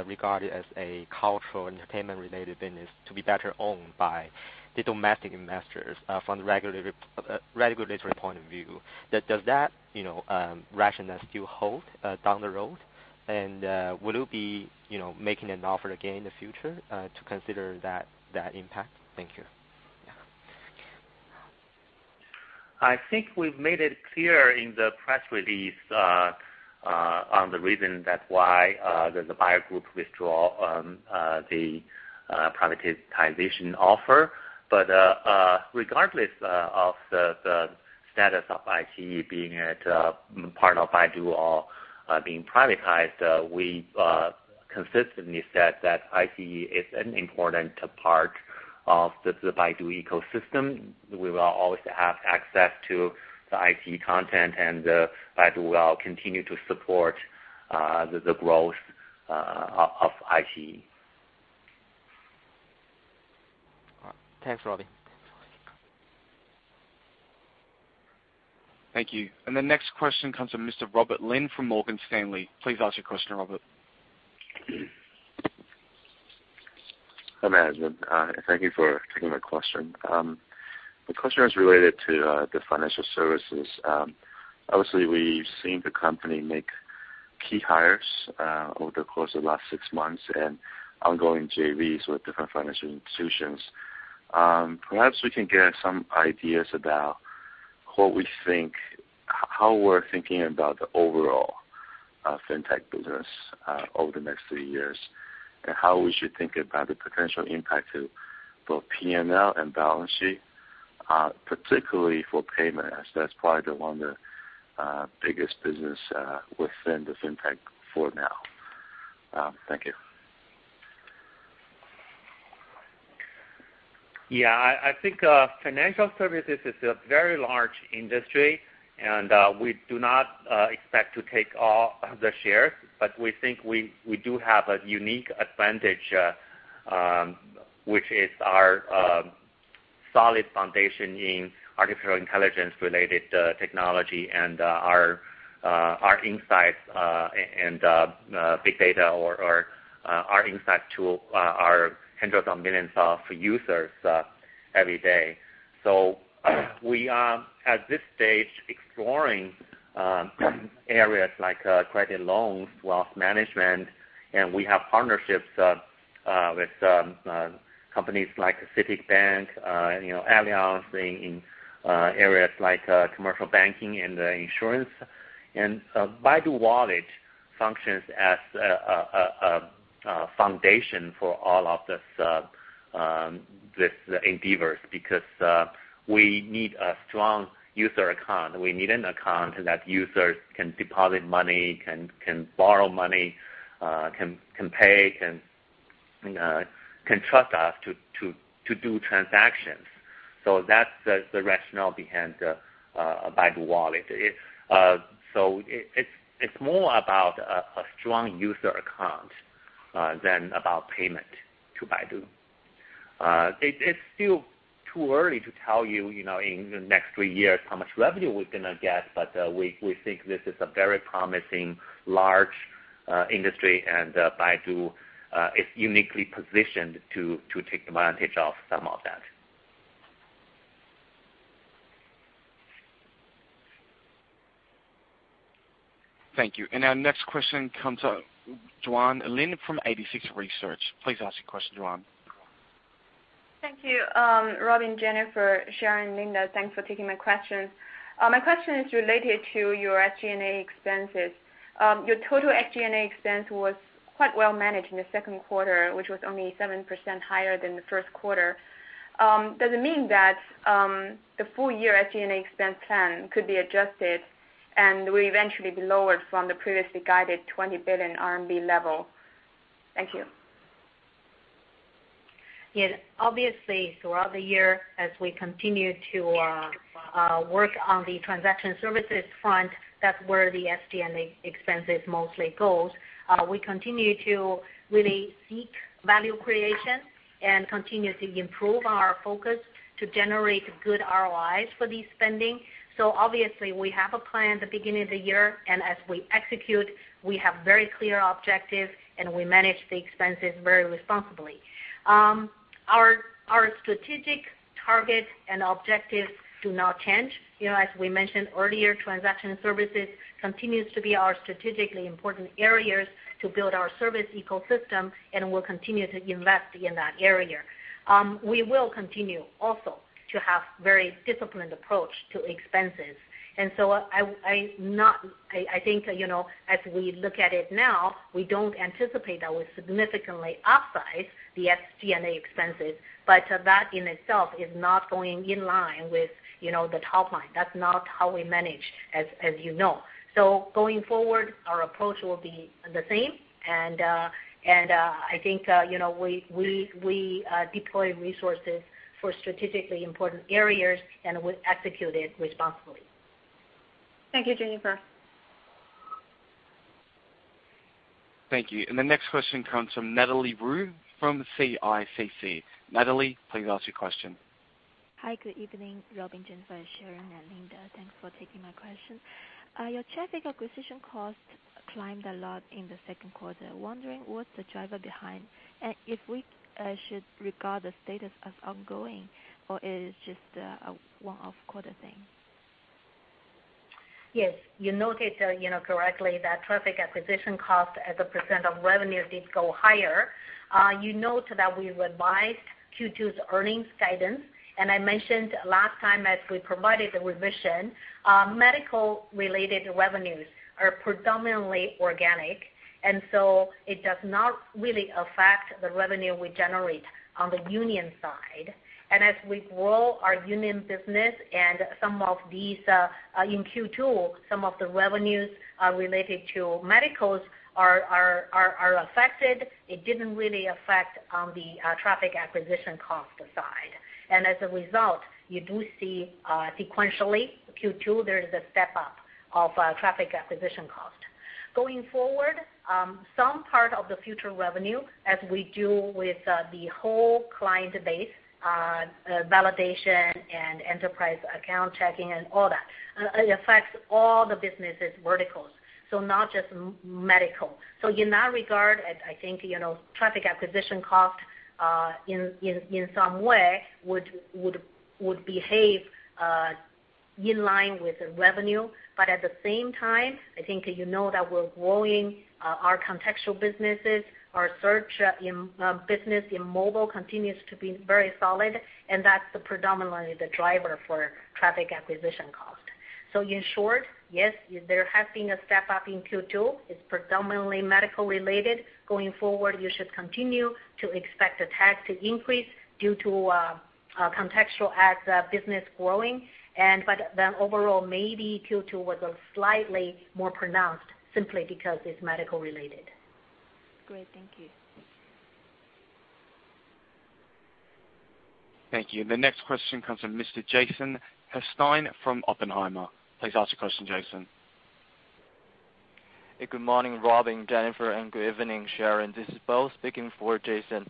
regarded as a cultural entertainment related business to be better owned by the domestic investors from the regulatory point of view. Does that rationale still hold down the road? Will you be making an offer again in the future to consider that impact? Thank you. I think we've made it clear in the press release on the reason that why the buyer group withdraw the privatization offer. Regardless of the status of iQiyi being a part of Baidu or being privatized, we consistently said that iQiyi is an important part of the Baidu ecosystem. We will always have access to the iQiyi content, and Baidu will continue to support the growth of iQiyi. Thanks, Robin. Thank you. The next question comes from Mr. Robert Lin from Morgan Stanley. Please ask your question, Robert. Hi, management. Thank you for taking my question. The question is related to the financial services. Obviously, we've seen the company make key hires over the course of last six months and ongoing JVs with different financial institutions. Perhaps we can get some ideas about how we're thinking about the overall fintech business over the next three years, and how we should think about the potential impact to both P&L and balance sheet, particularly for payment, as that's probably the biggest business within the fintech for now. Thank you. Yeah. I think financial services is a very large industry, we do not expect to take all of the shares, but we think we do have a unique advantage, which is our solid foundation in artificial intelligence related technology and our insights and big data, or our insight to our hundreds of millions of users every day. We are, at this stage, exploring areas like credit loans, wealth management, and we have partnerships with companies like Citibank and Allianz in areas like commercial banking and insurance. Baidu Wallet functions as a foundation for all of this endeavors because we need a strong user account. We need an account that users can deposit money, can borrow money, can pay, can trust us to do transactions. That's the rationale behind Baidu Wallet. It's more about a strong user account than about payment to Baidu. It's still too early to tell you in the next three years how much revenue we're going to get, but we think this is a very promising, large industry, Baidu is uniquely positioned to take advantage of some of that. Thank you. Our next question comes from Juan Lin from 86Research. Please ask your question, Juan. Thank you. Robin, Jennifer, Sharon, Linda, thanks for taking my questions. My question is related to your SG&A expenses. Your total SG&A expense was quite well managed in the second quarter, which was only 7% higher than the first quarter. Does it mean that the full year SG&A expense plan could be adjusted and will eventually be lower from the previously guided 20 billion RMB level? Thank you. Yes. Obviously, throughout the year, as we continue to work on the transaction services front, that's where the SG&A expenses mostly goes. We continue to really seek value creation and continue to improve our focus to generate good ROIs for these spending. Obviously, we have a plan at the beginning of the year. As we execute, we have very clear objectives, and we manage the expenses very responsibly. Our strategic targets and objectives do not change. As we mentioned earlier, transaction services continues to be our strategically important areas to build our service ecosystem. We'll continue to invest in that area. We will continue also to have very disciplined approach to expenses. I think, as we look at it now, we don't anticipate that we'll significantly upsize the SG&A expenses, but that in itself is not going in line with the top line. That's not how we manage, as you know. Going forward, our approach will be the same. I think we deploy resources for strategically important areas, and we execute it responsibly. Thank you, Jennifer. Thank you. The next question comes from Natalie Wu from CICC. Natalie, please ask your question. Hi, good evening, Robin, Jennifer, Sharon, and Linda. Thanks for taking my question. Your traffic acquisition cost climbed a lot in the second quarter. Wondering what's the driver behind, and if we should regard the status as ongoing or is just a one-off quarter thing? Yes. You noted correctly that traffic acquisition cost as a percent of revenue did go higher. You note that we revised Q2's earnings guidance. I mentioned last time as we provided the revision, medical-related revenues are predominantly organic, so it does not really affect the revenue we generate on the Union side. As we grow our Union business and some of these in Q2, some of the revenues related to medicals are affected. It didn't really affect on the traffic acquisition cost side. As a result, you do see sequentially, Q2, there is a step-up of traffic acquisition cost. Going forward, some part of the future revenue as we deal with the whole client base, validation and enterprise account checking, and all that, it affects all the businesses verticals, so not just medical. In that regard, I think, traffic acquisition cost, in some way, would behave in line with the revenue. At the same time, I think you know that we're growing our contextual businesses, our search business in mobile continues to be very solid, that's predominantly the driver for traffic acquisition cost. In short, yes, there has been a step-up in Q2. It's predominantly medical related. Going forward, you should continue to expect the TAC to increase due to contextual ads business growing. Overall, maybe Q2 was slightly more pronounced simply because it's medical related. Great. Thank you. Thank you. The next question comes from Mr. Jason Helfstein from Oppenheimer. Please ask your question, Jason. Good morning, Robin, Jennifer, and good evening, Sharon. This is Bo speaking for Jason.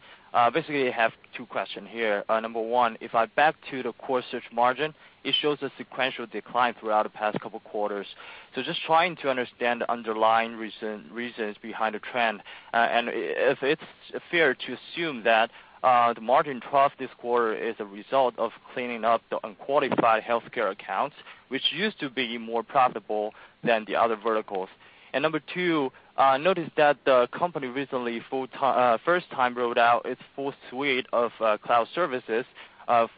Basically, I have two question here. Number one, if I'm back to the core search margin, it shows a sequential decline throughout the past couple quarters. Just trying to understand the underlying reasons behind the trend, and if it's fair to assume that the margin across this quarter is a result of cleaning up the unqualified healthcare accounts, which used to be more profitable than the other verticals. Number two, noticed that the company recently, first time, rolled out its full suite of cloud services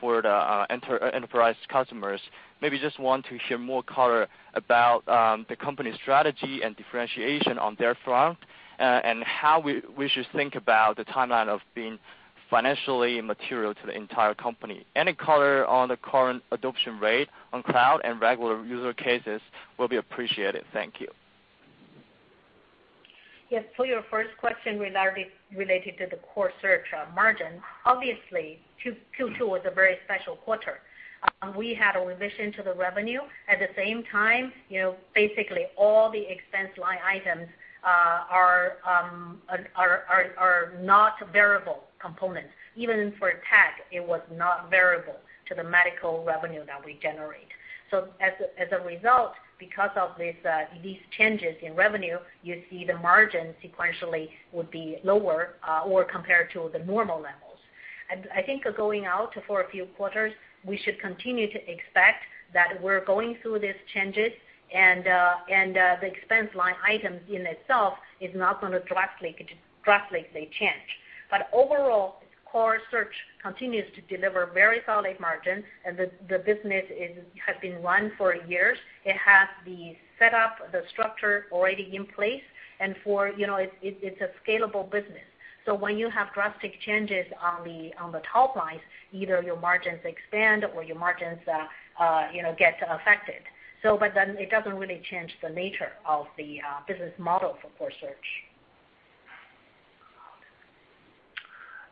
for the enterprise customers. Maybe just want to hear more color about the company strategy and differentiation on their front, and how we should think about the timeline of being financially material to the entire company. Any color on the current adoption rate on cloud and regular use cases will be appreciated. Thank you. Yes. For your first question related to the core search margin, obviously, Q2 was a very special quarter. We had a revision to the revenue. At the same time, basically all the expense line items are not variable components. Even for TAC, it was not variable to the medical revenue that we generate. As a result, because of these changes in revenue, you see the margin sequentially would be lower or compared to the normal levels. I think going out for a few quarters, we should continue to expect that we're going through these changes, and the expense line items in itself is not going to drastically change. Overall, core search continues to deliver very solid margins and the business has been run for years. It has the setup, the structure already in place, and it's a scalable business. When you have drastic changes on the top line, either your margins expand or your margins get affected. It doesn't really change the nature of the business model for core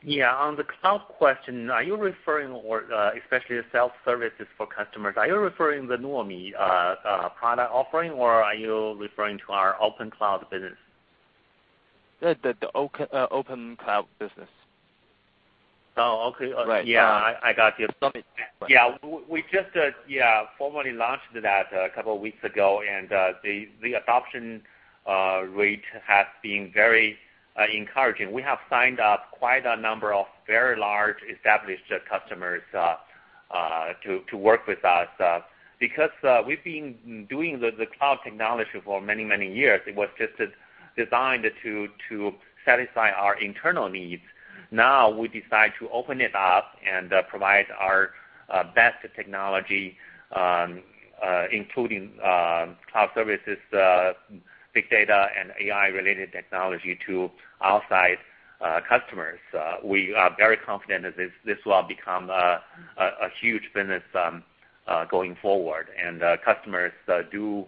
search. On the cloud question, or especially the self-services for customers, are you referring the Nuomi product offering or are you referring to our Open Cloud business? The Open Cloud business. Okay. Right. Yeah. I got you. Sorry. Yeah. We just formally launched that a couple of weeks ago, and the adoption rate has been very encouraging. We have signed up quite a number of very large established customers to work with us. Because we've been doing the cloud technology for many, many years, it was just designed to satisfy our internal needs. Now we decide to open it up and provide our best technology, including cloud services, big data, and AI-related technology to outside customers. We are very confident that this will become a huge business going forward, and customers do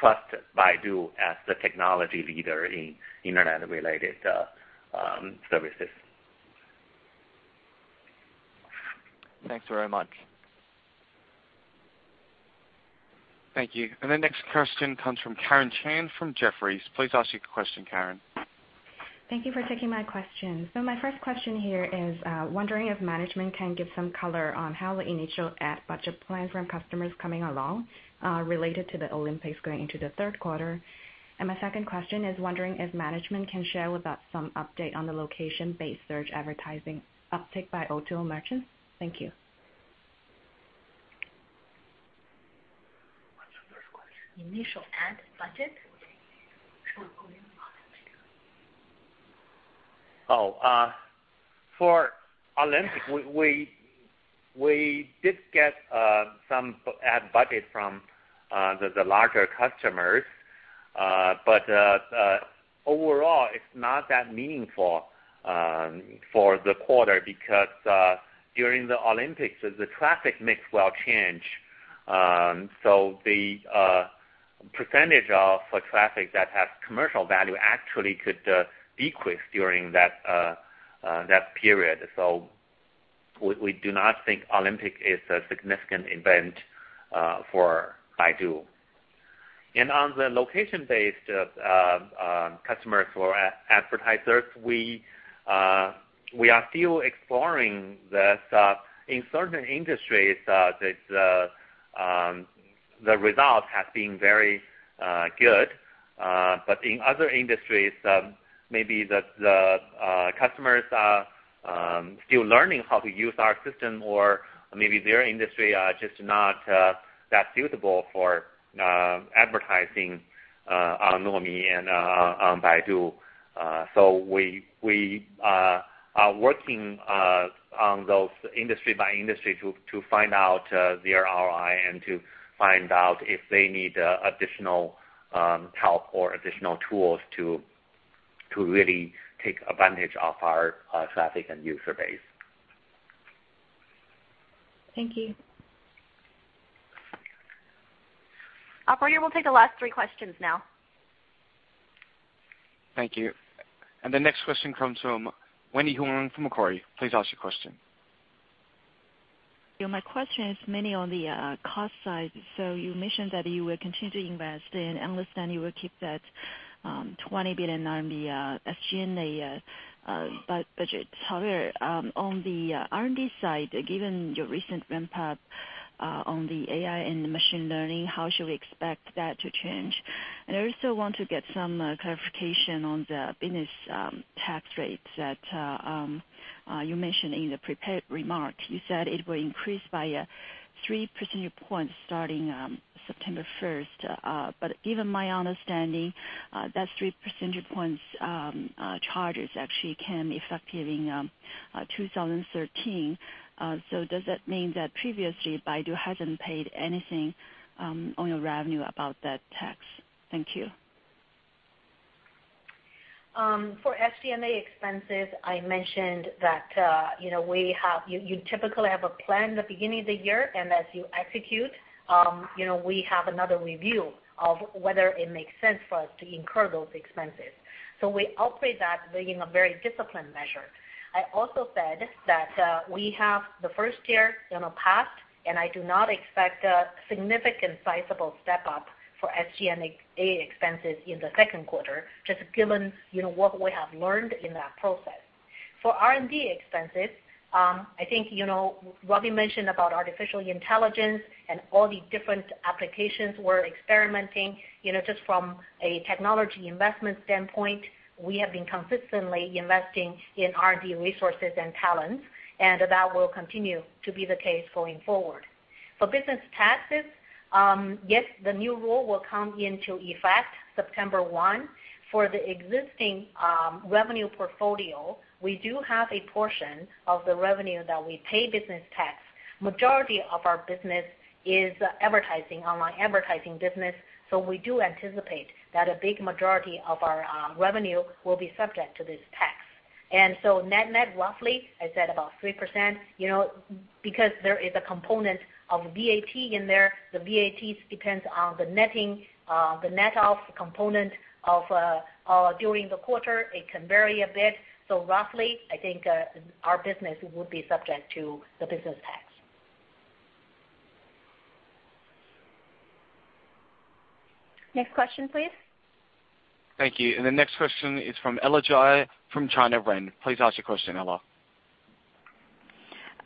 trust Baidu as the technology leader in internet-related services. Thanks very much. Thank you. The next question comes from Karen Chan from Jefferies. Please ask your question, Karen. Thank you for taking my question. My first question here is, wondering if management can give some color on how the initial ad budget plan from customers coming along related to the Olympics going into the third quarter. My second question is wondering if management can share with us some update on the location-based search advertising uptick by O2O merchants. Thank you. What's the first question? Initial ad budget. For Olympics, we did get some ad budget from the larger customers. Overall, it's not that meaningful for the quarter because, during the Olympics, the traffic mix will change. The percentage of traffic that has commercial value actually could decrease during that period. We do not think Olympic is a significant event for Baidu. On the location-based customers or advertisers, we are still exploring that. In certain industries, the results have been very good. In other industries, maybe the customers are still learning how to use our system or maybe their industry are just not that suitable for advertising on Nuomi and on Baidu. We are working on those industry by industry to find out their ROI and to find out if they need additional help or additional tools to really take advantage of our traffic and user base. Thank you. Operator, we'll take the last three questions now. Thank you. The next question comes from Wendy Huang from Macquarie. Please ask your question. My question is mainly on the cost side. You mentioned that you will continue to invest and understand you will keep that 20 billion RMB on the SG&A budget. On the R&D side, given your recent ramp up on the AI and machine learning, how should we expect that to change? I also want to get some clarification on the business tax rates that you mentioned in the prepared remarks. You said it will increase by 3 percentage points starting September 1. Given my understanding, that 3 percentage points charges actually came effective in 2013. Does that mean that previously Baidu hasn't paid anything on your revenue about that tax? Thank you. For SG&A expenses, I mentioned that you typically have a plan at the beginning of the year, and as you execute, we have another review of whether it makes sense for us to incur those expenses. We operate that within a very disciplined measure. I also said that we have the first year in the past, and I do not expect a significant sizable step-up for SG&A expenses in the second quarter, just given what we have learned in that process. For R&D expenses, I think, Wendy mentioned about artificial intelligence and all the different applications we're experimenting. Just from a technology investment standpoint, we have been consistently investing in R&D resources and talents, and that will continue to be the case going forward. For business taxes, yes, the new rule will come into effect September 1. For the existing revenue portfolio, we do have a portion of the revenue that we pay business tax. Majority of our business is advertising, online advertising business, we do anticipate that a big majority of our revenue will be subject to this tax. Net net roughly, I said about 3%, because there is a component of VAT in there. The VAT depends on the netting, the net off component during the quarter, it can vary a bit. Roughly, I think our business would be subject to the business tax. Next question, please. Thank you. The next question is from Ella Ji from China Renaissance. Please ask your question, Ella.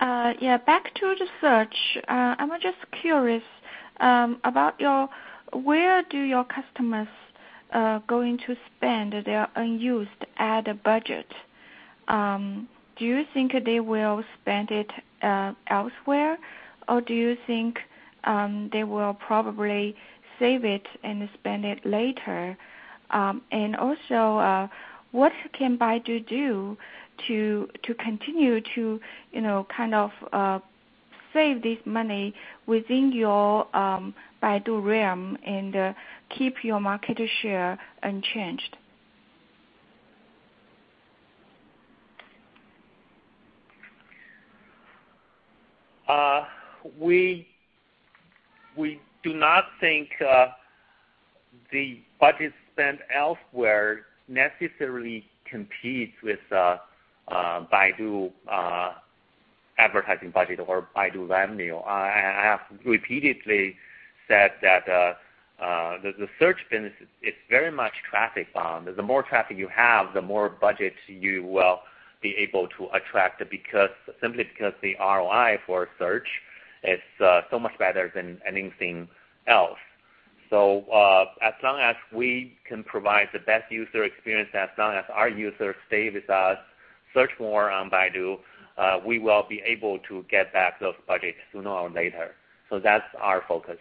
Yeah. Back to the search. I'm just curious about where do your customers going to spend their unused ad budget? Do you think they will spend it elsewhere, or do you think they will probably save it and spend it later? Also, what can Baidu do to continue to kind of save this money within your Baidu realm and keep your market share unchanged? We do not think the budget spent elsewhere necessarily competes with Baidu advertising budget or Baidu revenue. I have repeatedly said that the search business is very much traffic bound. The more traffic you have, the more budget you will be able to attract simply because the ROI for search is so much better than anything else. As long as we can provide the best user experience, as long as our users stay with us, search more on Baidu, we will be able to get back those budgets sooner or later. That's our focus.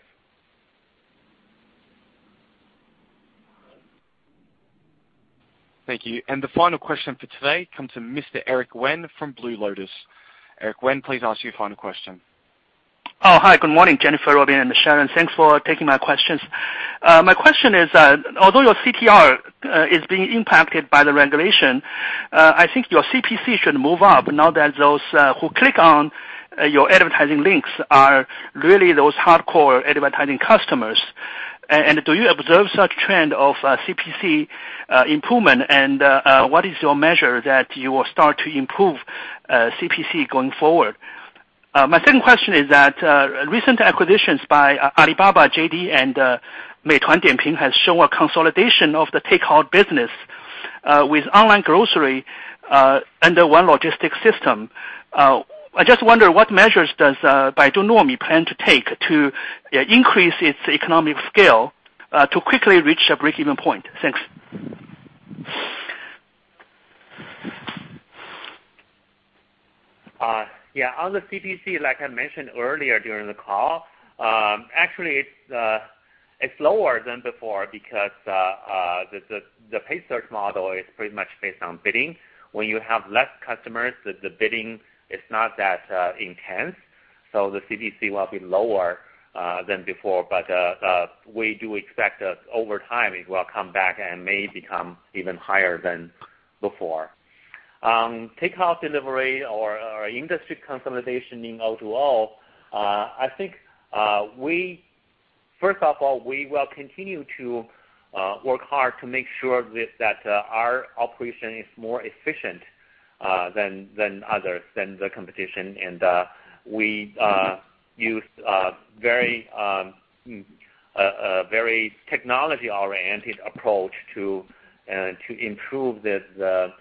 Thank you. The final question for today comes to Mr. Eric Wen from Blue Lotus. Eric Wen, please ask your final question. Hi. Good morning, Jennifer, Robin, and Sharon. Thanks for taking my questions. My question is, although your CTR is being impacted by the regulation, I think your CPC should move up now that those who click on your advertising links are really those hardcore advertising customers. Do you observe such trend of CPC improvement, and what is your measure that you will start to improve CPC going forward? My second question is that recent acquisitions by Alibaba, JD.com, and Meituan Dianping has shown a consolidation of the takeout business with online grocery under one logistics system. I just wonder what measures does Baidu Nuomi plan to take to increase its economic scale to quickly reach a breakeven point? Thanks. On the CPC, like I mentioned earlier during the call, actually it's lower than before because the paid search model is pretty much based on bidding. When you have less customers, the bidding is not that intense, so the CPC will be lower than before. We do expect that over time it will come back and may become even higher than before. Takeout delivery or industry consolidation in O2O, I think, first of all, we will continue to work hard to make sure that our operation is more efficient than others, than the competition. We use a very technology-oriented approach to improve the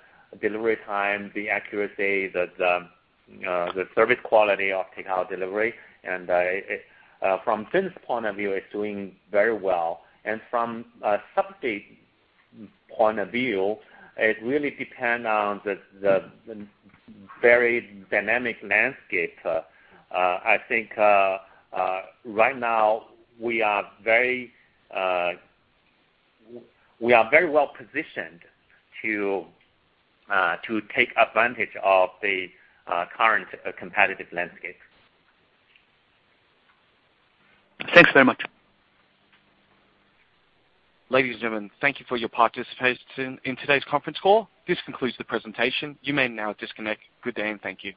delivery time, the accuracy, the service quality of takeout delivery. From [F&I's] point of view, it's doing very well. From a subsidy point of view, it really depends on the very dynamic landscape. I think right now we are very well positioned to take advantage of the current competitive landscape. Thanks very much. Ladies and gentlemen, thank you for your participation in today's conference call. This concludes the presentation. You may now disconnect. Good day, and thank you.